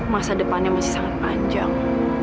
masa depannya masih sangat panjang